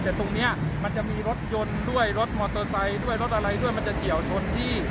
แต่ตรงนี้มันจะมีรถยนต์ด้วยรถมอเตอร์ไซค์ด้วยรถอะไรด้วยมันจะเฉียวชนที่